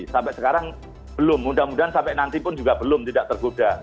sampai sekarang belum mudah mudahan sampai nanti pun juga belum tidak tergoda